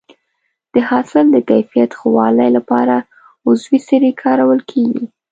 د حاصل د کیفیت ښه والي لپاره عضوي سرې کارول کېږي.